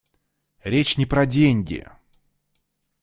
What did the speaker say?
Речь не про деньги.